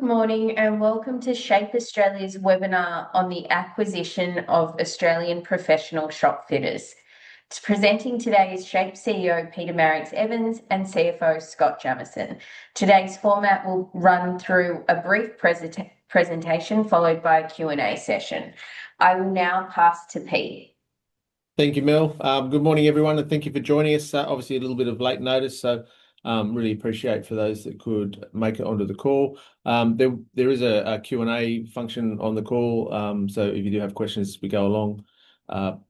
Good morning, and welcome to SHAPE Australia's webinar on the acquisition of Australian Professional Shopfitters. Presenting today is SHAPE CEO, Peter Marix-Evans, and CFO, Scott Jamieson. Today's format will run through a brief presentation followed by a Q&A session. I will now pass to Pete. Thank you, Mel. Good morning, everyone, and thank you for joining us. Obviously, a little bit of late notice, so really appreciate for those that could make it onto the call. There is a Q&A function on the call, so if you do have questions as we go along,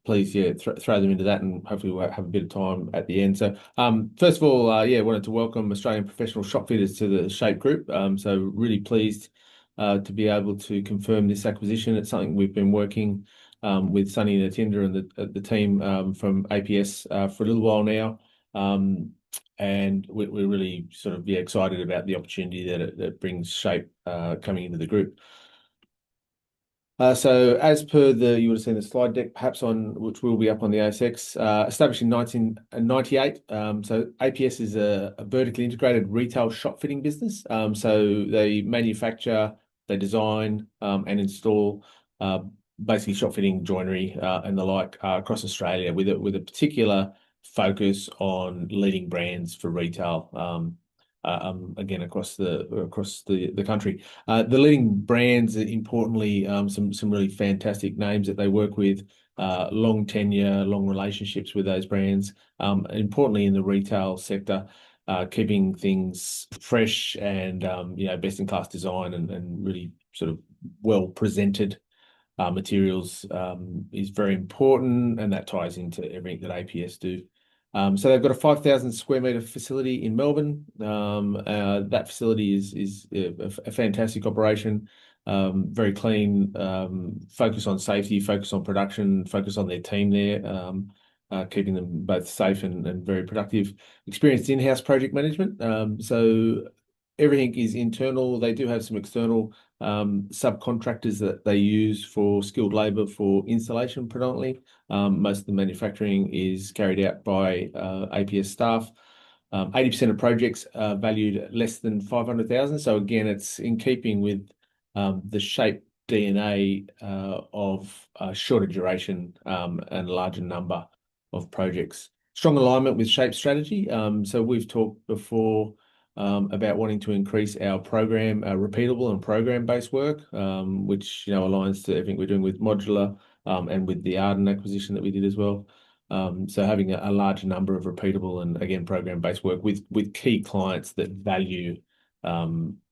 please, yeah, throw them into that, and hopefully we'll have a bit of time at the end. First of all, yeah, wanted to welcome Australian Professional Shopfitters to the SHAPE Group. Really pleased to be able to confirm this acquisition. It's something we've been working with Sonny and Attinder and the team from APS for a little while now. We're really sort of excited about the opportunity that brings SHAPE coming into the group. You would've seen the slide deck, perhaps, on which will be up on the ASX. Established in 1998, APS is a vertically integrated retail shopfitting business. They manufacture, they design, and install basically shopfitting joinery and the like across Australia, with a particular focus on leading brands for retail, again, across the country. The leading brands are importantly some really fantastic names that they work with. Long tenure, long relationships with those brands. Importantly, in the retail sector, keeping things fresh and best-in-class design and really sort of well-presented materials is very important, and that ties into everything that APS do. They've got a 5,000 sq m facility in Melbourne. That facility is a fantastic operation. Very clean, focus on safety, focus on production, focus on their team there, keeping them both safe and very productive. Experienced in-house project management, so everything is internal. They do have some external subcontractors that they use for skilled labor, for installation predominantly. Most of the manufacturing is carried out by APS staff. 80% of projects are valued at less than 500,000, again, it's in keeping with the SHAPE DNA of shorter duration and larger number of projects. Strong alignment with SHAPE's strategy. We've talked before about wanting to increase our program, repeatable and program-based work, which aligns to everything we're doing with Modular and with the Arden acquisition that we did as well. Having a larger number of repeatable and, again, program-based work with key clients that value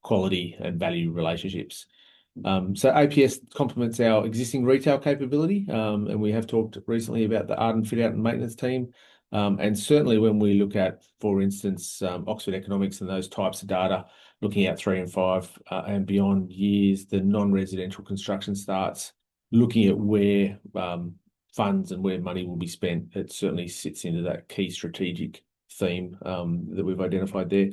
quality and value relationships. APS complements our existing retail capability, and we have talked recently about the Arden fit out and maintenance team. Certainly when we look at, for instance, Oxford Economics and those types of data, looking at three and five and beyond years, the non-residential construction starts. Looking at where funds and where money will be spent, it certainly sits into that key strategic theme that we've identified there.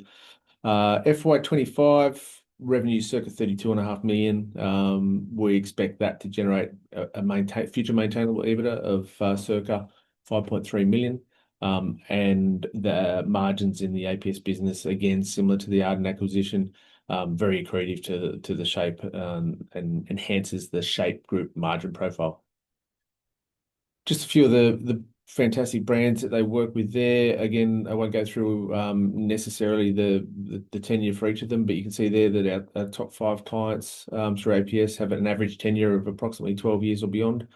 FY 2025, revenue circa 32.5 million. We expect that to generate a future maintainable EBITDA of circa 5.3 million. The margins in the APS business, again, similar to the Arden acquisition, very accretive to the SHAPE and enhances the SHAPE group margin profile. Just a few of the fantastic brands that they work with there. Again, I won't go through necessarily the tenure for each of them, but you can see there that our top five clients through APS have an average tenure of approximately 12 years or beyond.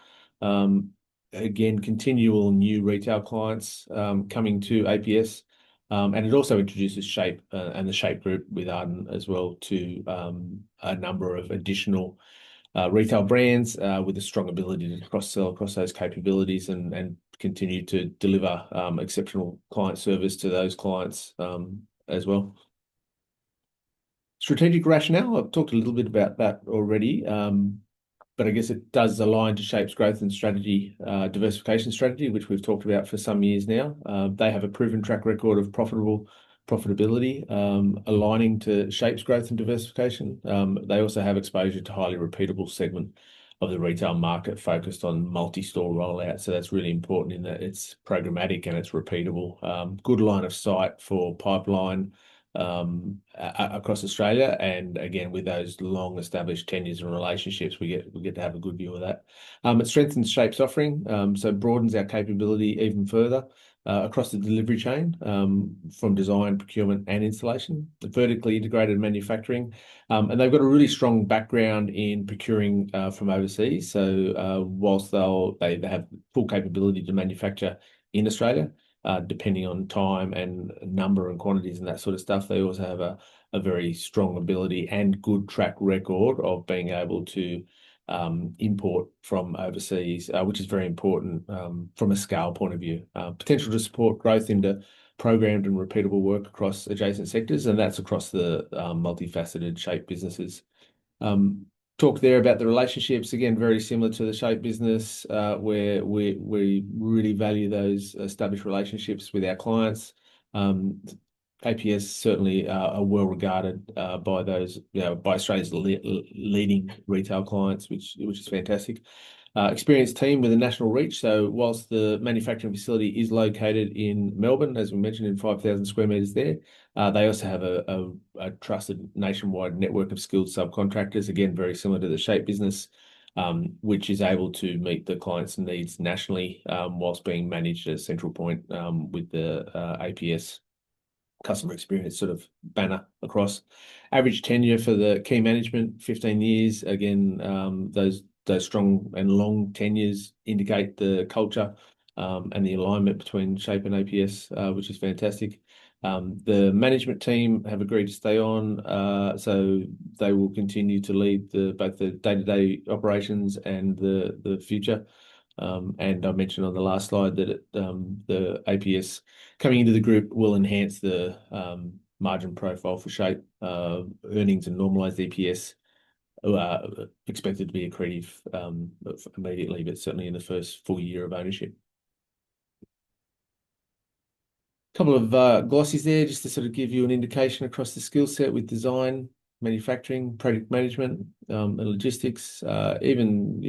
Again, continual new retail clients coming to APS. It also introduces SHAPE, and the SHAPE Group with Arden as well, to a number of additional retail brands with a strong ability to cross-sell across those capabilities and continue to deliver exceptional client service to those clients as well. Strategic rationale, I've talked a little bit about that already. I guess it does align to SHAPE's growth and strategy, diversification strategy, which we've talked about for some years now. They have a proven track record of profitability, aligning to SHAPE's growth and diversification. They also have exposure to highly repeatable segment of the retail market, focused on multi-store rollout, that's really important in that it's programmatic and it's repeatable. Good line of sight for pipeline across Australia, again, with those long-established tenures and relationships, we get to have a good view of that. It strengthens SHAPE's offering, so it broadens our capability even further across the delivery chain, from design, procurement, and installation. The vertically integrated manufacturing. They've got a really strong background in procuring from overseas, so whilst they have full capability to manufacture in Australia, depending on time and number and quantities and that sort of stuff, they also have a very strong ability and good track record of being able to import from overseas, which is very important from a scale point of view. Potential to support growth into programmed and repeatable work across adjacent sectors, and that's across the multifaceted SHAPE businesses. Talked there about the relationships. Again, very similar to the SHAPE business, where we really value those established relationships with our clients. APS certainly are well regarded by Australia's leading retail clients, which is fantastic. Experienced team with a national reach. Whilst the manufacturing facility is located in Melbourne, as we mentioned, in 5,000 sq m there, they also have a trusted nationwide network of skilled subcontractors, again, very similar to the SHAPE business, which is able to meet the clients' needs nationally, whilst being managed at a central point with the APS customer experience sort of banner across. Average tenure for the key management, 15 years. Again, those strong and long tenures indicate the culture, and the alignment between SHAPE and APS, which is fantastic. The management team have a great stay-on. So, they will continue to lead both the day-to-day operations and the future. I mentioned on the last slide that the APS coming into the group will enhance the margin profile for SHAPE earnings and normalized EPS, expected to be accretive immediately, certainly in the first full year of ownership. Couple of glossies there just to sort of give you an indication across the skill set with design, manufacturing, product management, and logistics, even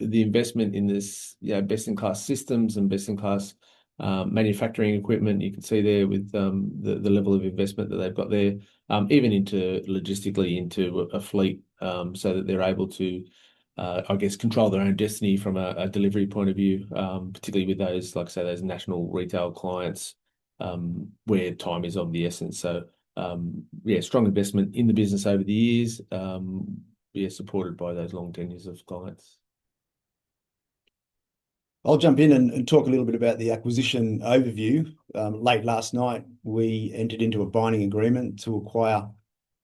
the investment in this best-in-class systems and best-in-class manufacturing equipment. You can see there with the level of investment that they've got there, even logistically into a fleet, so that they're able to, I guess, control their own destiny from a delivery point of view, particularly with those, like I say, those national retail clients, where time is of the essence. Yeah, strong investment in the business over the years, yeah, supported by those long tenures of clients. I'll jump in and talk a little bit about the acquisition overview. Late last night, we entered into a binding agreement to acquire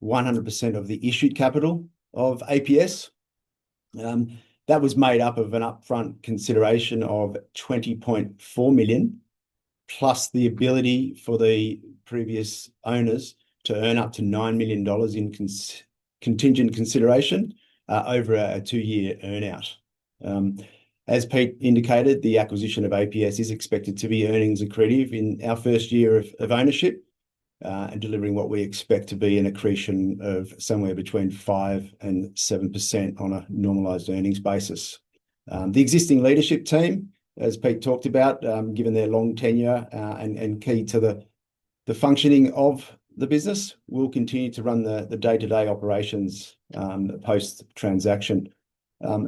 100% of the issued capital of APS. That was made up of an upfront consideration of 20.4 million, plus the ability for the previous owners to earn up to 9 million dollars in contingent consideration over a two-year earn-out. As Pete indicated, the acquisition of APS is expected to be earnings accretive in our first year of ownership, and delivering what we expect to be an accretion of somewhere between 5%-7% on a normalized earnings basis. The existing leadership team, as Pete talked about, given their long tenure, and key to the functioning of the business, will continue to run the day-to-day operations, post-transaction.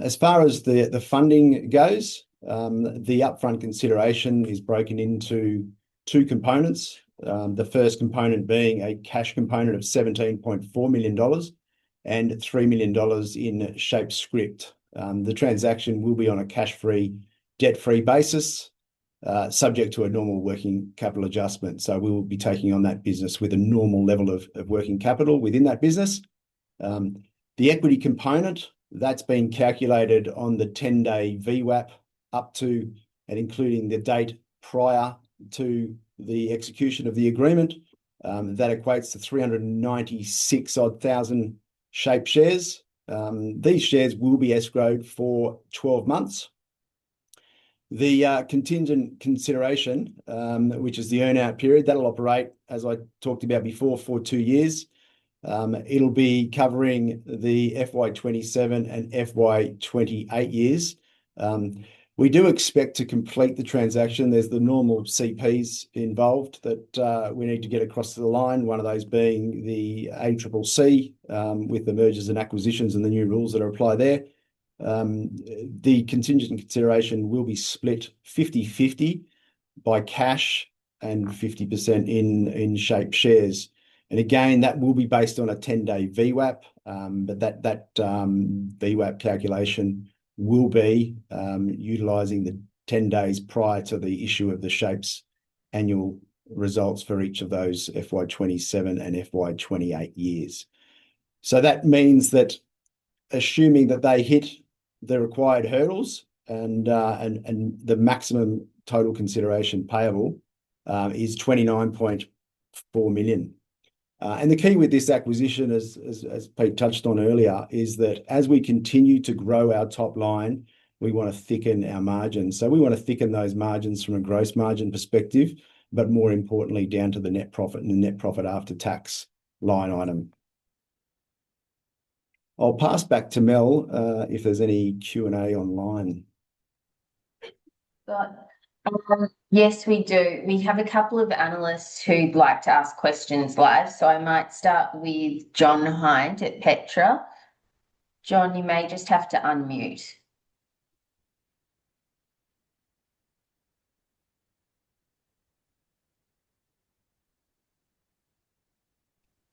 As far as the funding goes, the upfront consideration is broken into two components. The first component being a cash component of 17.4 million dollars, and 3 million dollars in SHAPE scrip. The transaction will be on a cash-free, debt-free basis, subject to a normal working capital adjustment. We'll be taking on that business with a normal level of working capital within that business. The equity component, that's been calculated on the 10-day VWAP up to and including the date prior to the execution of the agreement. That equates to 396 odd thousand SHAPE shares. These shares will be escrowed for 12 months. The contingent consideration, which is the earn-out period, that'll operate, as I talked about before, for two years. It'll be covering the FY 2027 and FY 2028 years. We do expect to complete the transaction. There's the normal CPs involved that we need to get across the line, one of those being the ACCC, with the mergers and acquisitions and the new rules that apply there. The contingent consideration will be split 50/50 by cash and 50% in SHAPE shares. Again, that will be based on a 10-day VWAP, but that VWAP calculation will be utilizing the 10 days prior to the issue of the SHAPE's annual results for each of those FY 2027 and FY 2028 years. That means that assuming that they hit the required hurdles and the maximum total consideration payable is 29.4 million. The key with this acquisition as Pete touched on earlier, is that as we continue to grow our top line, we want to thicken our margins. We want to thicken those margins from a gross margin perspective, but more importantly, down to the net profit and the net profit after tax line item. I'll pass back to Mel, if there's any Q&A online. Yes, we do. We have a couple of analysts who'd like to ask questions live. I might start with John Hynd at Petra. John, you may just have to unmute.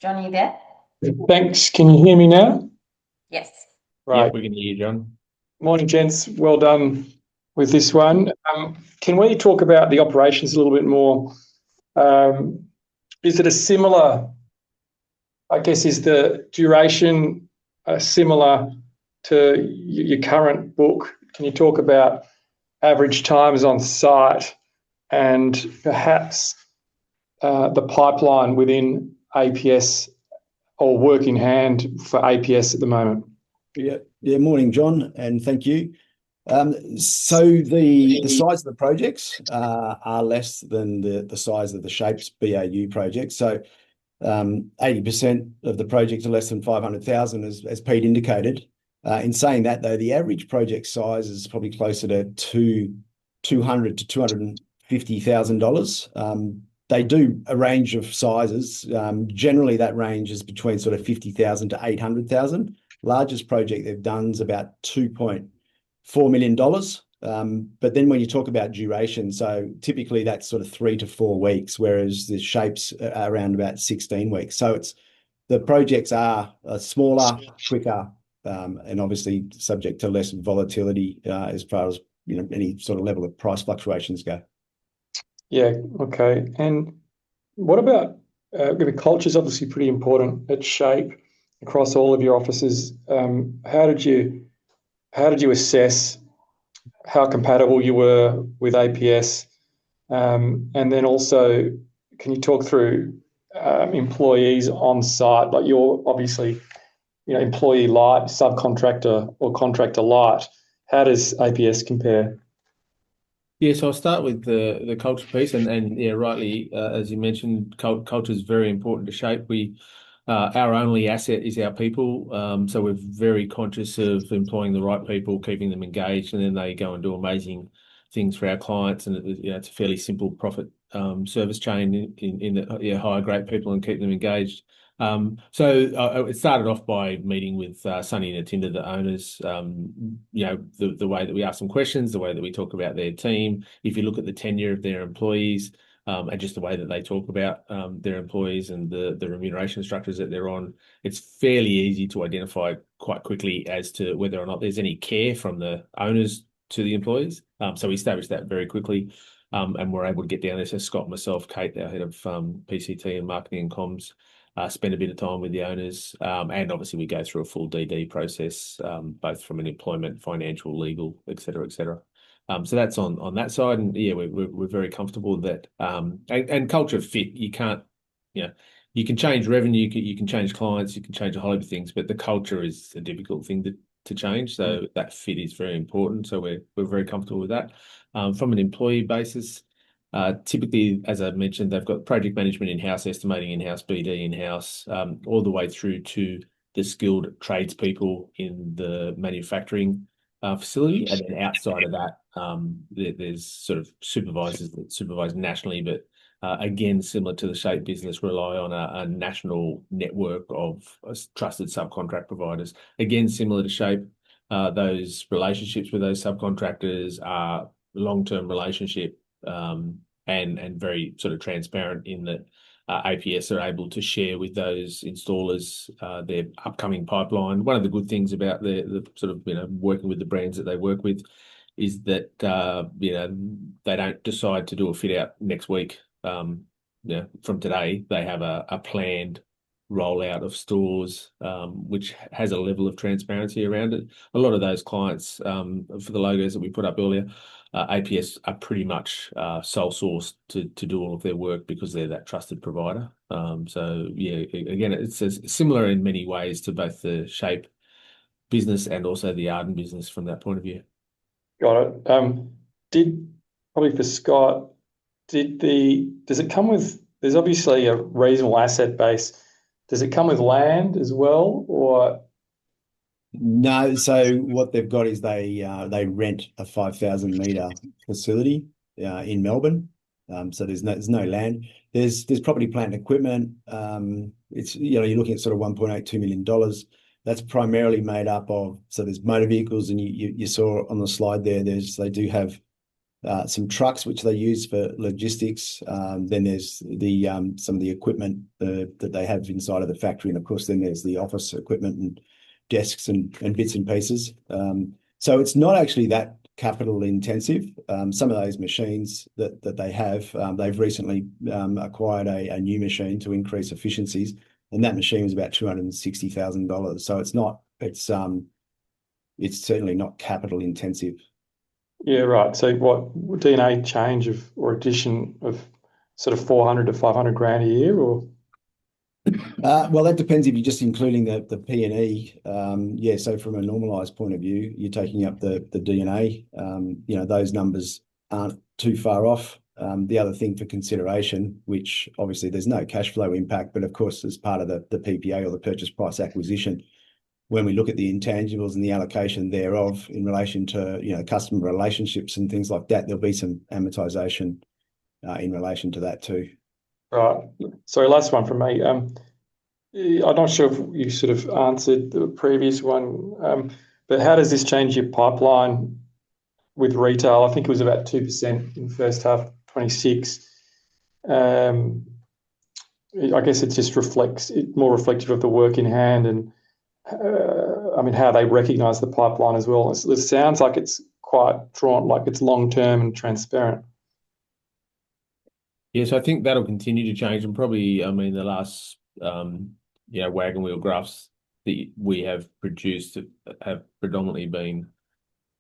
John, are you there? Thanks. Can you hear me now? Yes. Yeah, we can hear you, John. Morning, gents. Well done with this one. Can we talk about the operations a little bit more? I guess is the duration similar to your current book? Can you talk about average times on site and perhaps the pipeline within APS or work in hand for APS at the moment. Morning, John, thank you. The size of the projects are less than the size of the SHAPE's BAU projects. 80% of the projects are less than 500,000, as Pete indicated. In saying that, though, the average project size is probably closer to 200,000-250,000 dollars. They do a range of sizes. Generally, that range is between sort of 50,000-800,000. Largest project they've done is about 2.4 million dollars. When you talk about duration, typically that's sort of three to four weeks, whereas the SHAPE's around about 16 weeks. The projects are smaller, quicker, and obviously subject to less volatility as far as any sort of level of price fluctuations go. Yeah. Okay. What about, because culture's obviously pretty important at SHAPE across all of your offices. How did you assess how compatible you were with APS? Also, can you talk through employees on site? Like you're obviously employee light, subcontractor or contractor light. How does APS compare? Yeah. I'll start with the culture piece, and yeah, rightly, as you mentioned, culture is very important to SHAPE. Our only asset is our people, so we're very conscious of employing the right people, keeping them engaged, and then they go and do amazing things for our clients. It's a fairly simple profit service chain in hire great people and keep them engaged. It started off by meeting with Sonny and Attinder, the owners. The way that we ask them questions, the way that we talk about their team, if you look at the tenure of their employees, and just the way that they talk about their employees and the remuneration structures that they're on, it's fairly easy to identify quite quickly as to whether or not there's any care from the owners to the employees. We established that very quickly, and were able to get down there. Scott, myself, Kate, our head of P&C and marketing and comms, spent a bit of time with the owners. Obviously we go through a full DD process, both from an employment, financial, legal, et cetera. That's on that side, and yeah, we're very comfortable with that. Culture fit. You can change revenue, you can change clients, you can change a whole heap of things, but the culture is a difficult thing to change. That fit is very important, so we're very comfortable with that. From an employee basis, typically, as I've mentioned, they've got project management in-house, estimating in-house, BD in-house, all the way through to the skilled tradespeople in the manufacturing facility. Then outside of that, there's sort of supervisors that supervise nationally, but again, similar to the SHAPE business, rely on a national network of trusted subcontract providers. Similar to SHAPE, those relationships with those subcontractors are long-term relationship, and very sort of transparent in that APS are able to share with those installers their upcoming pipeline. One of the good things about working with the brands that they work with is that they don't decide to do a fit-out next week from today. They have a planned rollout of stores, which has a level of transparency around it. A lot of those clients, for the logos that we put up earlier, APS are pretty much sole source to do all of their work because they're that trusted provider. Yeah, again, it's similar in many ways to both the SHAPE business and also the Arden business from that point of view. Got it. Probably for Scott, there's obviously a reasonable asset base. Does it come with land as well or? No. What they've got is they rent a 5,000 meter facility in Melbourne. There's no land. There's property, plant, and equipment. You're looking at sort of 1.82 million dollars. That's primarily made up of, so there's motor vehicles, and you saw on the slide there, they do have some trucks which they use for logistics. There's some of the equipment that they have inside of the factory, and of course, then there's the office equipment and desks and bits and pieces. It's not actually that capital intensive. Some of those machines that they have, they've recently acquired a new machine to increase efficiencies, and that machine was about 260,000 dollars. It's certainly not capital intensive. Yeah. Right. What, would D&A change of or addition of sort of 400,000-500,000 a year or? That depends if you're just including the P&E. Yeah. From a normalized point of view, you're taking up the D&A. Those numbers aren't too far off. The other thing for consideration, which obviously there's no cashflow impact, but of course, as part of the PPA or the purchase price acquisition, when we look at the intangibles and the allocation thereof in relation to customer relationships and things like that, there'll be some amortization in relation to that too. Right. Sorry, last one from me. I'm not sure if you sort of answered the previous one. How does this change your pipeline with retail? I think it was about 2% in the first half of 2026. I guess it's more reflective of the work in hand and how they recognize the pipeline as well. It sounds like it's quite drawn, like it's long-term and transparent. Yeah. I think that'll continue to change and probably, the last wagon wheel graphs that we have produced have predominantly been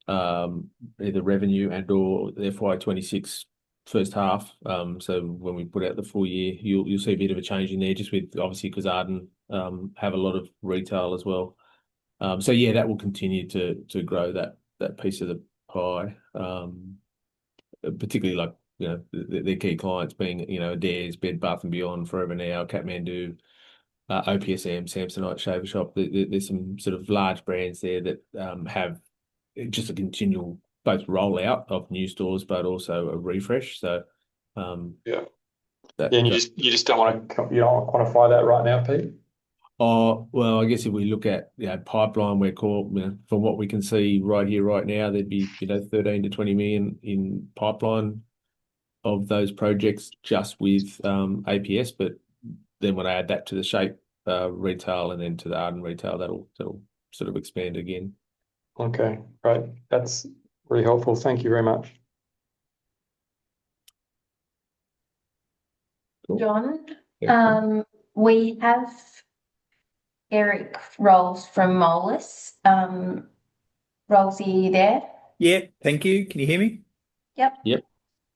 either revenue and or the FY 2026 first half. When we put out the full year, you'll see a bit of a change in there just with, obviously, because Arden have a lot of retail as well. Yeah, that will continue to grow that piece of the pie. Particularly their key clients being Adairs, Bed Bath N' Table, Forever New, Kathmandu, OPSM, Samsonite, Shaver Shop. There's some sort of large brands there that have just a continual both rollout of new stores, but also a refresh. Yeah. You just don't want to quantify that right now, Pete? Well, I guess if we look at pipeline, from what we can see right here, right now, there'd be 13 million-20 million in pipeline of those projects just with APS. When I add that to the SHAPE retail, and then to the Arden retail, that'll sort of expand again. Okay. Great. That's really helpful. Thank you very much. John? Yeah. We have Eric Rolls from Moelis. Rolls, are you there? Yeah. Thank you. Can you hear me? Yep. Yep. G'day.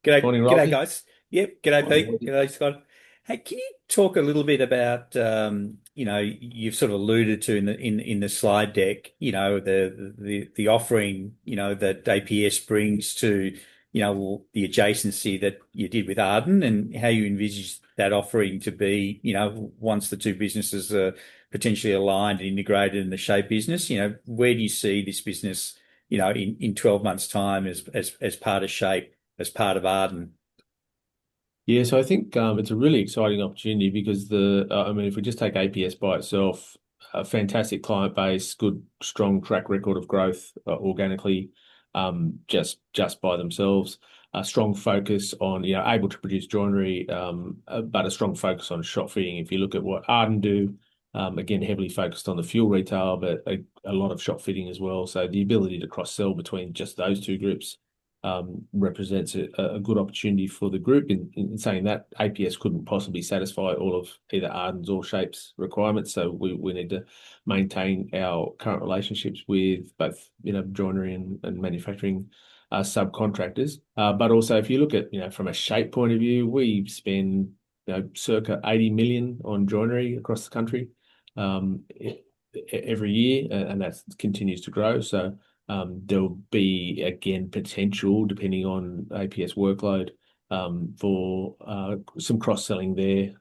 Morning, Rolls. G'day, guys. Yep. G'day, Pete. How are you? G'day, Scott. Hey, can you talk a little bit about, you've sort of alluded to in the slide deck, the offering that APS brings to the adjacency that you did with Arden and how you envisage that offering to be once the two businesses are potentially aligned and integrated in the SHAPE business. Where do you see this business in 12 months time as part of SHAPE, as part of Arden? Yeah. I think it's a really exciting opportunity because if we just take APS by itself, a fantastic client base, good, strong track record of growth organically, just by themselves. A strong focus on able to produce joinery, but a strong focus on shopfitting. If you look at what Arden do, again, heavily focused on the fuel retail, but a lot of shopfitting as well. The ability to cross-sell between just those two groups represents a good opportunity for the group. In saying that, APS couldn't possibly satisfy all of either Arden's or SHAPE's requirements. We need to maintain our current relationships with both joinery and manufacturing subcontractors. Also if you look at it from a SHAPE point of view, we spend circa 80 million on joinery across the country every year, and that continues to grow. There'll be, again, potential, depending on APS workload, for some cross-selling there,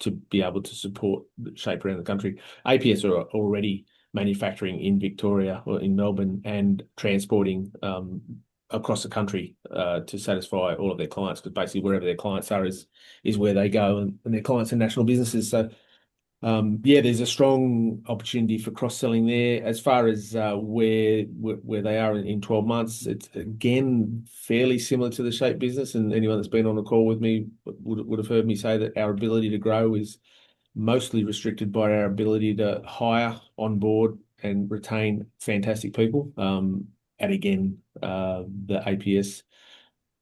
to be able to support SHAPE around the country. APS are already manufacturing in Victoria or in Melbourne and transporting across the country, to satisfy all of their clients. Basically wherever their clients are is where they go, and their clients are national businesses. Yeah, there's a strong opportunity for cross-selling there. As far as where they are in 12 months, it's again, fairly similar to the SHAPE business, and anyone that's been on a call with me would have heard me say that our ability to grow is mostly restricted by our ability to hire, onboard, and retain fantastic people. Again, the APS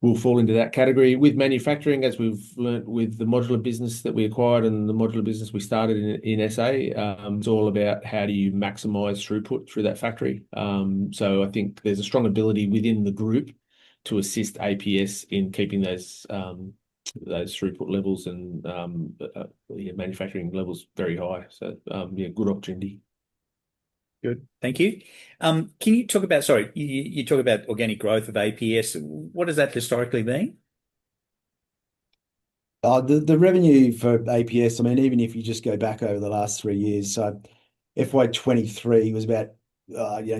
will fall into that category. With manufacturing, as we've learned with the modular business that we acquired and the modular business we started in SA, it's all about how do you maximize throughput through that factory. I think there's a strong ability within the group to assist APS in keeping those throughput levels and manufacturing levels very high. Yeah, good opportunity. Good. Thank you. Can you talk about organic growth of APS? What does that historically mean? The revenue for APS, even if you just go back over the last three years. FY 2023 was about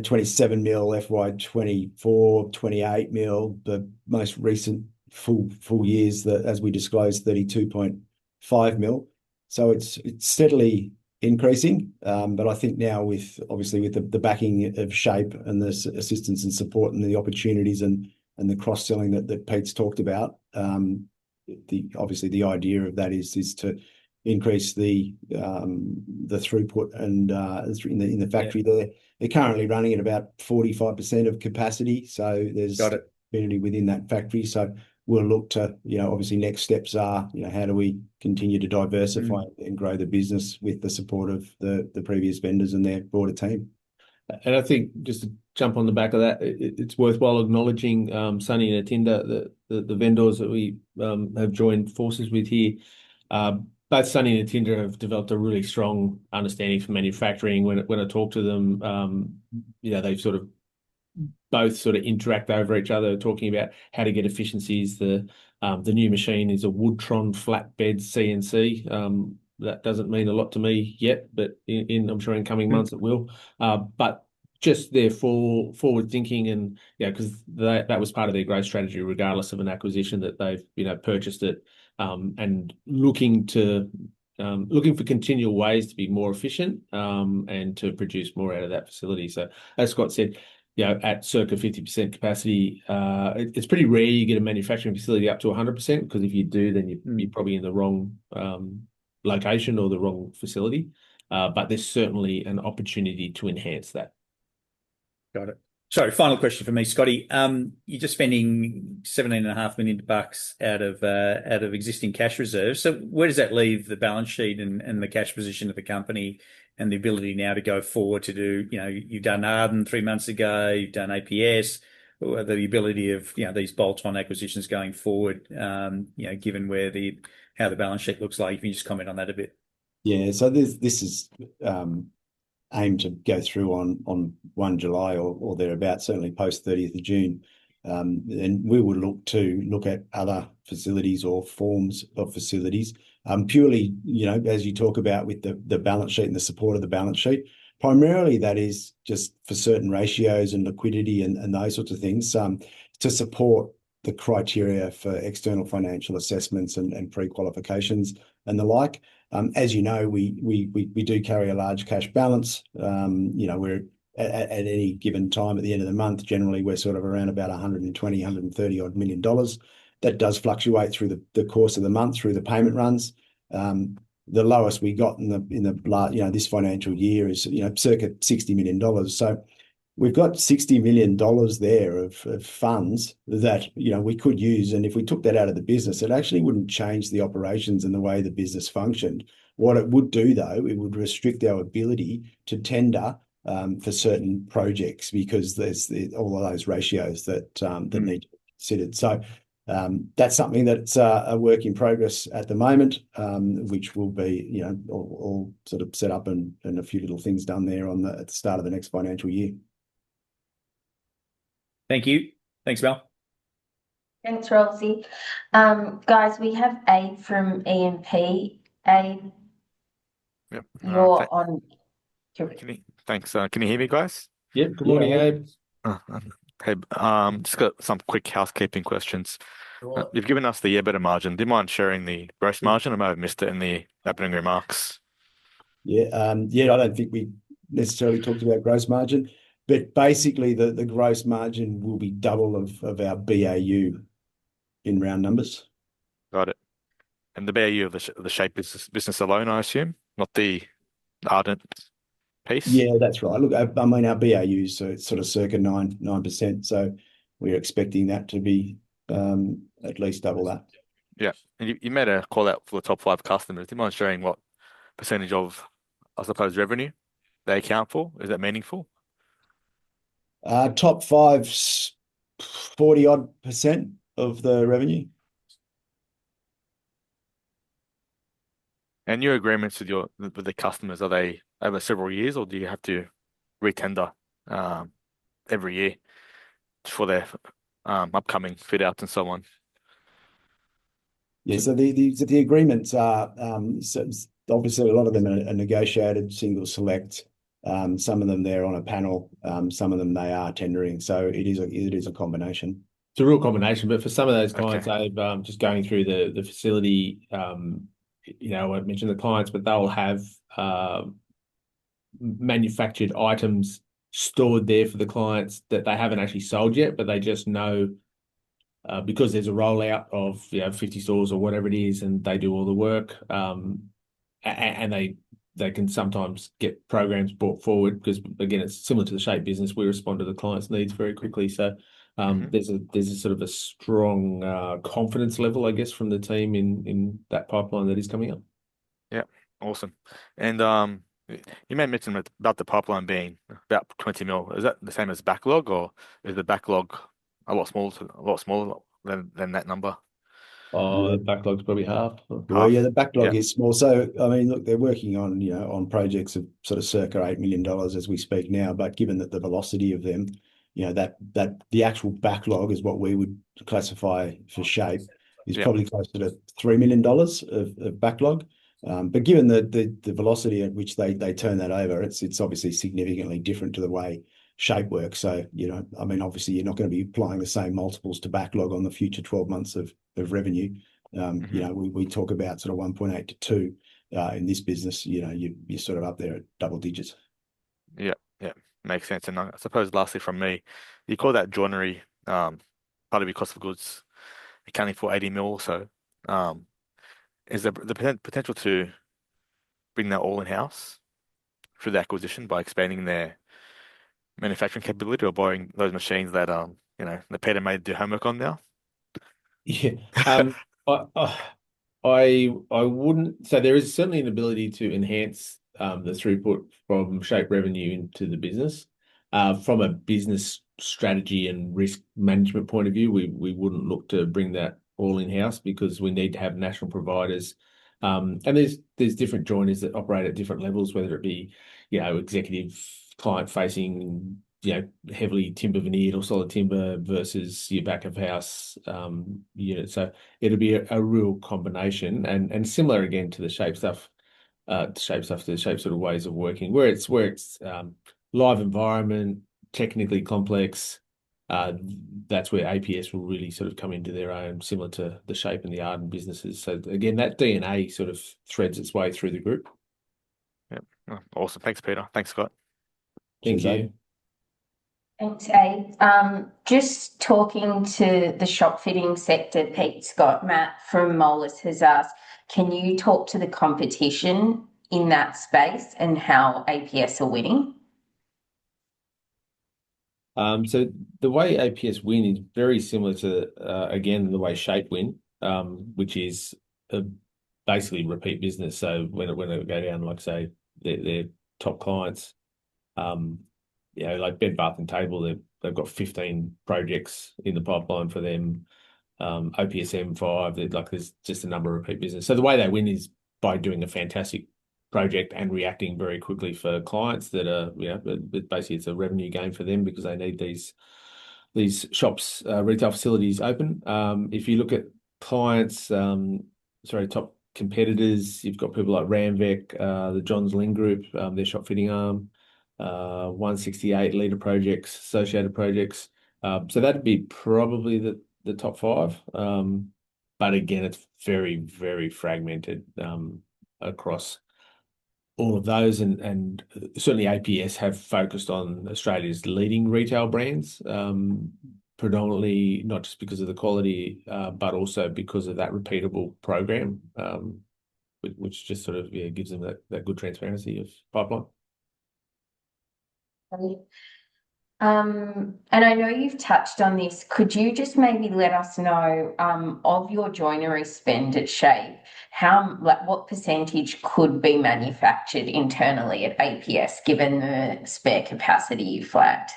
27 million, FY 2024, 28 million. The most recent full years that, as we disclosed, 32.5 million. It's steadily increasing. I think now obviously with the backing of SHAPE and the assistance and support and the opportunities and the cross-selling that Pete's talked about, obviously the idea of that is to increase the throughput in the factory. Yeah. They're currently running at about 45% of capacity. Got it. Ability within that factory. We'll look to, obviously next steps are how do we continue to diversify. Grow the business with the support of the previous vendors and their broader team. I think, just to jump on the back of that, it's worthwhile acknowledging Sonny and Attinder, the vendors that we have joined forces with here. Both Sonny and Attinder have developed a really strong understanding for manufacturing. When I talk to them, they both sort of interact over each other, talking about how to get efficiencies. The new machine is a Woodtron flatbed CNC. That doesn't mean a lot to me yet, but in, I'm sure, in coming months it will. Just their forward-thinking and, because that was part of their growth strategy, regardless of an acquisition that they've purchased it, and looking for continual ways to be more efficient, and to produce more out of that facility. As Scott said, at circa 50% capacity. It's pretty rare you get a manufacturing facility up to 100%, because if you do, then you're probably in the wrong location or the wrong facility. There's certainly an opportunity to enhance that. Got it. Sorry, final question from me, Scotty. You're just spending 17.5 million bucks out of existing cash reserves. Where does that leave the balance sheet and the cash position of the company and the ability now to go forward to do You've done Arden three months ago, you've done APS, the ability of these bolt-on acquisitions going forward, given how the balance sheet looks like? Can you just comment on that a bit? Yeah. This is aimed to go through on 1 July or thereabout, certainly post 30th of June. We would look to look at other facilities or forms of facilities. Purely, as you talk about with the balance sheet and the support of the balance sheet, primarily that is just for certain ratios and liquidity and those sorts of things, to support the criteria for external financial assessments and pre-qualifications and the like. As you know, we do carry a large cash balance. At any given time at the end of the month, generally we're sort of around about 120 million dollars, AUD 130 million odd. That does fluctuate through the course of the month, through the payment runs. The lowest we got in this financial year is circa 60 million dollars. We've got 60 million dollars there of funds that we could use, and if we took that out of the business, it actually wouldn't change the operations and the way the business functioned. What it would do, though, it would restrict our ability to tender for certain projects because there's all of those ratios that need considered. That's something that's a work in progress at the moment, which will be all sort of set up and a few little things done there at the start of the next financial year. Thank you. Thanks, Scott. Thanks, Rollsy. Guys, we have Abe from EMP. Yep You're on. Thanks. Can you hear me, guys? Yeah. Good morning, Abe. Okay. Just got some quick housekeeping questions. Sure. You've given us the EBITDA margin. Do you mind sharing the gross margin? I might have missed it in the opening remarks. Yeah. I don't think we necessarily talked about gross margin, but basically the gross margin will be double of our BAU in round numbers. Got it. The BAU of the SHAPE business alone, I assume, not the Arden piece? Yeah, that's right. Look, our BAU is sort of circa 9%, so we're expecting that to be at least double that. Yeah. You made a call-out for the top five customers. Do you mind sharing what percentage of, I suppose, revenue they account for? Is that meaningful? Top five's 40-odd percent of the revenue. Your agreements with the customers, are they over several years, or do you have to re-tender every year for their upcoming fit outs and so on? The agreements are, obviously a lot of them are negotiated, single select. Some of them, they're on a panel. Some of them, they are tendering. It is a combination. It's a real combination. For some of those clients. Okay Abe, just going through the facility, I won't mention the clients, but they'll have manufactured items stored there for the clients that they haven't actually sold yet, but they just know because there's a rollout of 50 stores or whatever it is, and they do all the work. They can sometimes get programs brought forward because, again, it's similar to the SHAPE business, we respond to the clients' needs very quickly. There's a sort of a strong confidence level, I guess, from the team in that pipeline that is coming up. Yeah. Awesome. You made mention about the pipeline being about 20 million. Is that the same as backlog, or is the backlog a lot smaller than that number? The backlog's probably half. Yeah, the backlog is small. Look, they're working on projects of sort of circa 8 million dollars as we speak now. Given that the velocity of them, the actual backlog is what we would classify for SHAPE, is probably closer to 3 million dollars of backlog. Given the velocity at which they turn that over, it's obviously significantly different to the way SHAPE works. Obviously you're not going to be applying the same multiples to backlog on the future 12 months of revenue. We talk about sort of 1.8 to two. In this business, you're sort of up there at double digits. Yeah. Makes sense. I suppose lastly from me, you call that joinery, part of your cost of goods accounting for 80 million or so. Is there the potential to bring that all in-house through the acquisition by expanding their manufacturing capability or buying those machines that Peter may do homework on now? Yeah. I wouldn't. There is certainly an ability to enhance the throughput from SHAPE revenue into the business. There's different joiners that operate at different levels, whether it be executive, client facing, heavily timber veneered or solid timber versus your back of house unit. It'll be a real combination and similar, again, to the SHAPE stuff, the SHAPE sort of ways of working. Where it's live environment, technically complex, that's where APS will really sort of come into their own similar to the SHAPE and the Arden businesses. Again, that DNA sort of threads its way through the group. Yep. Awesome. Thanks, Peter. Thanks, Scott. Thank you. Cheers, Abe. Thanks, Abe. Just talking to the shop fitting sector, Pete, Scott, Matt from Moelis has asked, "Can you talk to the competition in that space and how APS are winning? The way APS win is very similar to, again, the way SHAPE win, which is basically repeat business. When they go down, like say their top clients, like Bed Bath N' Table, they've got 15 projects in the pipeline for them. OPSM five, there's just a number of repeat business. The way they win is by doing a fantastic project and reacting very quickly for clients that basically, it's a revenue game for them because they need these shops, retail facilities open. If you look at clients, sorry, top competitors, you've got people like Ramvek, the Johns Lyng Group, their shop fitting arm, One68 Leeda Projects, Associated Projects. That'd be probably the top five. Again, it's very fragmented, across all of those and certainly APS have focused on Australia's leading retail brands. Predominantly, not just because of the quality, but also because of that repeatable program, which just sort of gives them that good transparency of pipeline. Great. I know you've touched on this. Could you just maybe let us know, of your joinery spend at SHAPE, what percentage could be manufactured internally at APS given the spare capacity you flagged?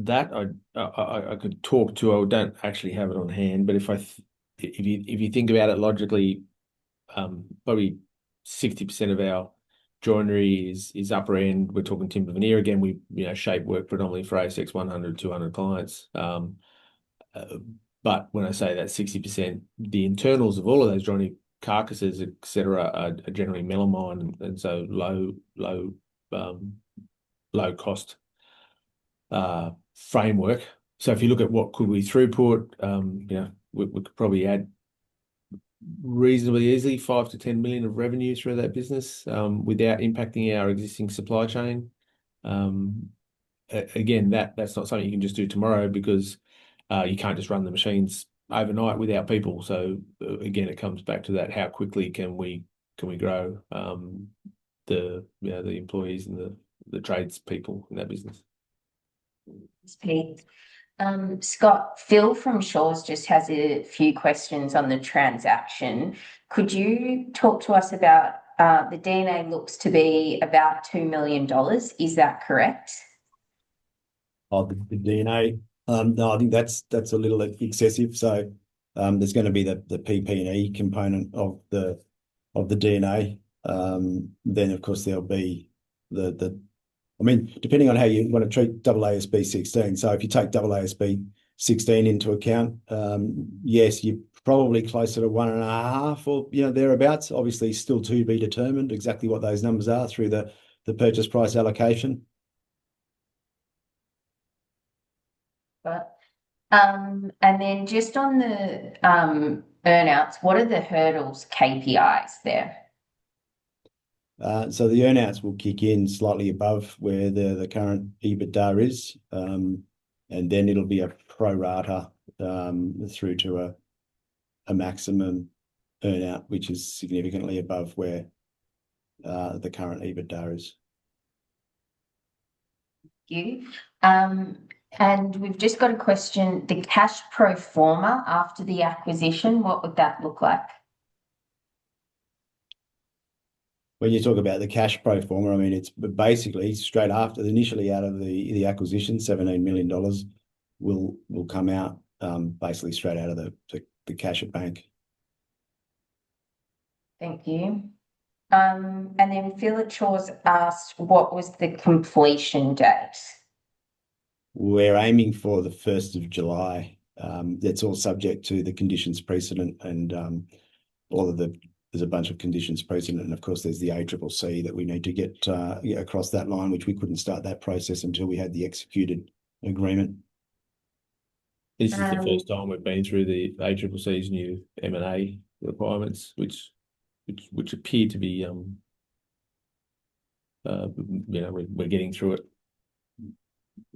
That I could talk to. I don't actually have it on hand, but if you think about it logically, probably 60% of our joinery is upper end. We're talking timber veneer again. SHAPE work predominantly for ASX 100, 200 clients. When I say that 60%, the internals of all of those joinery carcasses, et cetera, are generally melamine and low cost framework. If you look at what could we throughput, we could probably add reasonably easily, 5 million-10 million of revenue through that business, without impacting our existing supply chain. Again, that's not something you can just do tomorrow because, you can't just run the machines overnight without people. Again, it comes back to that, how quickly can we grow the employees and the tradespeople in that business. Thanks, Pete. Scott, Phil from Shaw and Partners just has a few questions on the transaction. Could you talk to us about, the D&A looks to be about 2 million dollars. Is that correct? Of the D&A? No, I think that's a little excessive. There's going to be the PP&E component of the D&A. Of course there'll be depending on how you want to treat AASB 16. If you take AASB 16 into account, yes, you're probably closer to one and a half or thereabouts. Obviously, still to be determined exactly what those numbers are through the purchase price allocation. Just on the earn-outs, what are the hurdles, KPIs there? The earn-outs will kick in slightly above where the current EBITDA is. It’ll be a pro rata, through to a maximum earn-out, which is significantly above where the current EBITDA is. Thank you. We've just got a question. The cash pro forma after the acquisition, what would that look like? When you talk about the cash pro forma, it's basically straight after. Initially out of the acquisition, 17 million dollars will come out, basically straight out of the cash at bank. Thank you. Then Phil at Shaw and Partners asked what was the completion date. We're aiming for the 1st of July. That's all subject to the conditions precedent. There's a bunch of conditions precedent, and of course, there's the ACCC that we need to get across that line, which we couldn't start that process until we had the executed agreement. This is the first time we've been through the ACCC's new M&A requirements, we're getting through it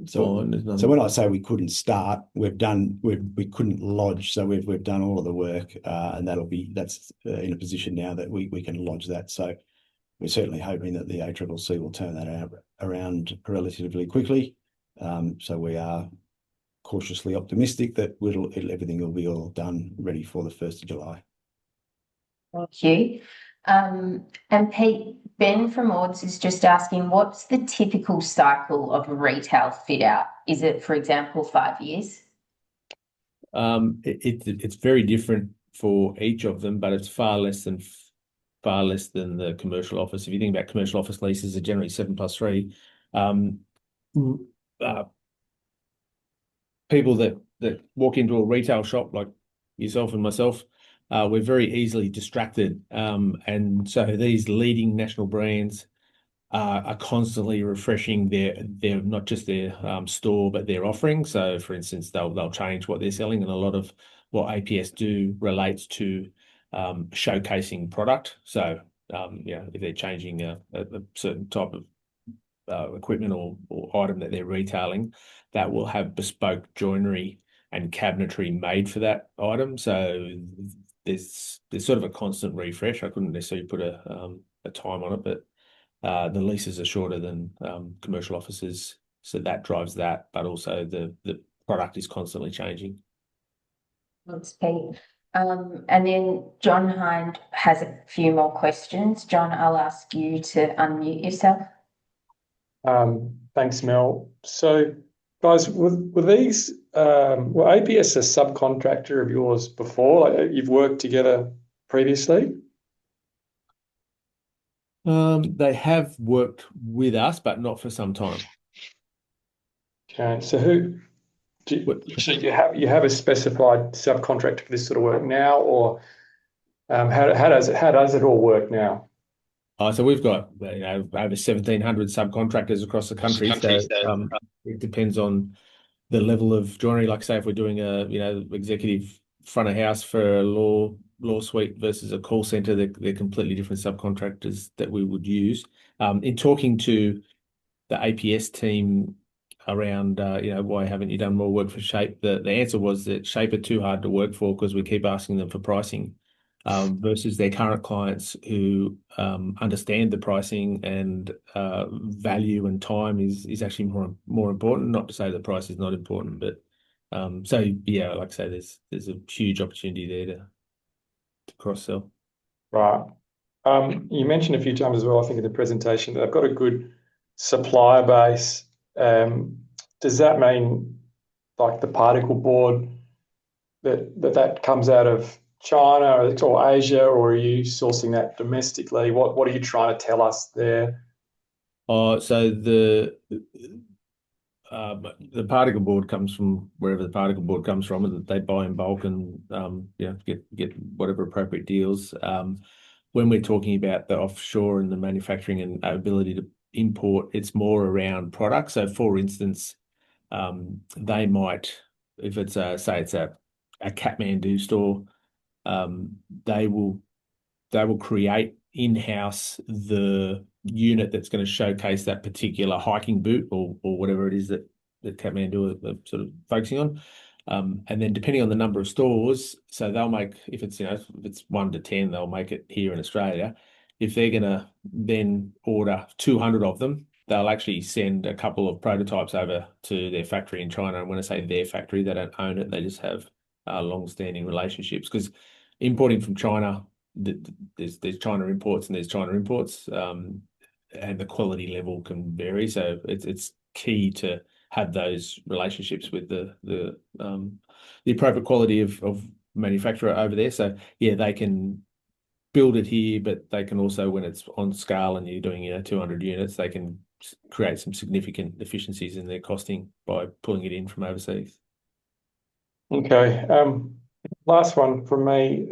so far. When I say we couldn't start, we couldn't lodge. We've done all of the work, and that's in a position now that we can lodge that. We're certainly hoping that the ACCC will turn that around relatively quickly. We are cautiously optimistic that everything will be all done, ready for the 1st of July. Thank you. Pete, Ben from Ord Minnett is just asking, what's the typical cycle of a retail fit-out? Is it, for example, five years? It's very different for each of them, but it's far less than the commercial office. If you think about commercial office leases are generally seven plus three. People that walk into a retail shop like yourself and myself, we're very easily distracted. These leading national brands are constantly refreshing, not just their store, but their offerings. For instance, they'll change what they're selling and a lot of what APS do relates to showcasing product. If they're changing a certain type of equipment or item that they're retailing, that will have bespoke joinery and cabinetry made for that item. There's sort of a constant refresh. I couldn't necessarily put a time on it, but the leases are shorter than commercial offices, so that drives that. Also, the product is constantly changing. Thanks, Pete. John Hynd has a few more questions. John, I'll ask you to unmute yourself. Thanks, Mel. Guys, were APS a subcontractor of yours before? You've worked together previously? They have worked with us, but not for some time. Okay, you have a specified subcontractor for this sort of work now, or how does it all work now? We've got over 1,700 subcontractors across the country. Country, yeah. It depends on the level of joinery. Like say if we're doing a executive front of house for a law suite versus a call center, they're completely different subcontractors that we would use. In talking to the APS team around why haven't you done more work for SHAPE, the answer was that SHAPE are too hard to work for because we keep asking them for pricing versus their current clients who understand the pricing and value and time is actually more important. Not to say that price is not important. Yeah, like I say, there's a huge opportunity there to cross-sell. Right. You mentioned a few times as well, I think, in the presentation that they've got a good supplier base. Does that mean, like the particleboard, that that comes out of China or it's all Asia or are you sourcing that domestically? What are you trying to tell us there? The particleboard comes from wherever the particleboard comes from. They buy in bulk and get whatever appropriate deals. When we're talking about the offshore and the manufacturing and ability to import, it's more around product. For instance, they might, say it's a Kathmandu store, they will create in-house the unit that's going to showcase that particular hiking boot or whatever it is that Kathmandu are sort of focusing on. Depending on the number of stores, if it's one to 10, they'll make it here in Australia. If they're going to then order 200 of them, they'll actually send a couple of prototypes over to their factory in China. When I say their factory, they don't own it, they just have longstanding relationships. Because importing from China, there's China imports and there's China imports, and the quality level can vary. It's key to have those relationships with the appropriate quality of manufacturer over there. Yeah, they can build it here, but they can also, when it's on scale and you're doing 200 units, they can create some significant efficiencies in their costing by pulling it in from overseas. Okay. Last one from me.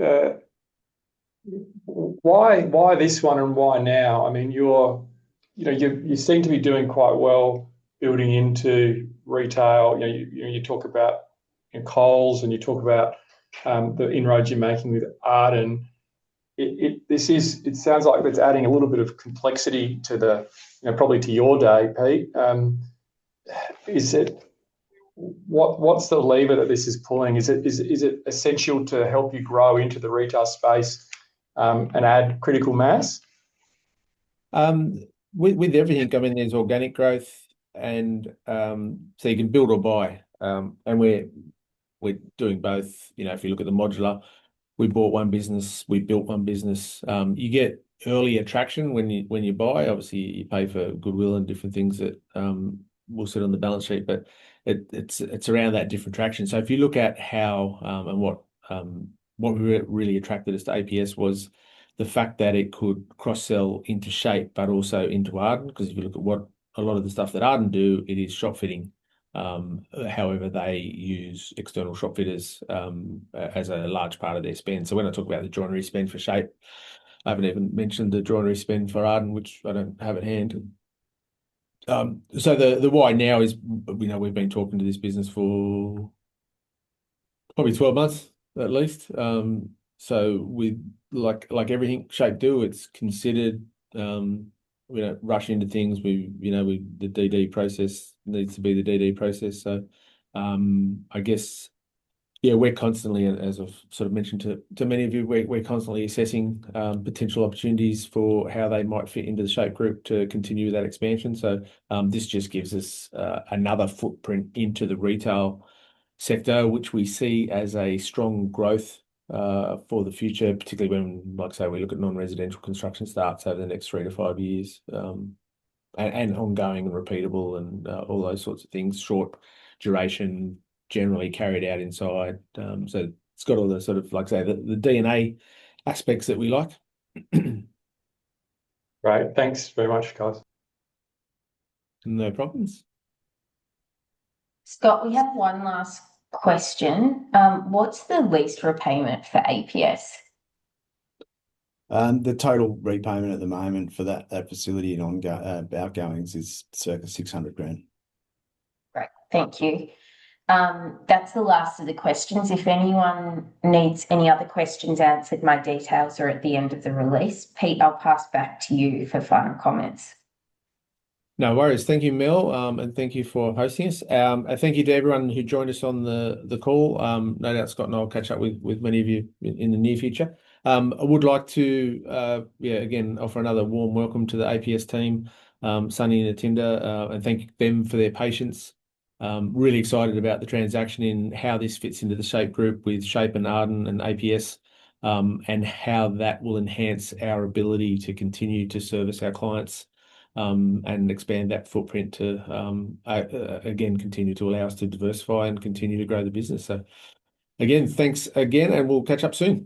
Why this one and why now? You seem to be doing quite well building into retail. You talk about in Coles and you talk about the inroads you're making with Arden. It sounds like it's adding a little bit of complexity probably to your day, Pete. What's the lever that this is pulling? Is it essential to help you grow into the retail space and add critical mass? With everything government, there's organic growth. You can build or buy. We're doing both. If you look at the Modular, we bought one business, we built one business. You get earlier traction when you buy. Obviously, you pay for goodwill and different things that will sit on the balance sheet. It's around that different traction. If you look at how and what really attracted us to APS was the fact that it could cross-sell into SHAPE, but also into Arden, because if you look at a lot of the stuff that Arden do, it is shop fitting. However, they use external shop fitters as a large part of their spend. When I talk about the joinery spend for SHAPE, I haven't even mentioned the joinery spend for Arden, which I don't have at hand. The why now is we've been talking to this business for probably 12 months at least. Like everything SHAPE do, it's considered. We don't rush into things. The DD process needs to be the DD process. I guess, yeah, as I've sort of mentioned to many of you, we're constantly assessing potential opportunities for how they might fit into the SHAPE Group to continue that expansion. This just gives us another footprint into the retail sector, which we see as a strong growth for the future, particularly when, like I say, we look at non-residential construction starts over the next three to five years, and ongoing and repeatable and all those sorts of things. Short duration, generally carried out inside. It's got all the sort of, like I say, the DNA aspects that we like. Great. Thanks very much, guys. No problems. Scott, we have one last question. What's the lease repayment for APS? The total repayment at the moment for that facility and outgoings is circa 600 thousand. Great. Thank you. That's the last of the questions. If anyone needs any other questions answered, my details are at the end of the release. Pete, I'll pass back to you for final comments. No worries. Thank you, Mel, and thank you for hosting us. Thank you to everyone who joined us on the call. No doubt, Scott and I will catch up with many of you in the near future. I would like to again offer another warm welcome to the APS team, Sonny and Attinder, and thank them for their patience. Really excited about the transaction in how this fits into the SHAPE Group with SHAPE and Arden and APS, and how that will enhance our ability to continue to service our clients, and expand that footprint to again continue to allow us to diversify and continue to grow the business. Again, thanks again, and we'll catch up soon.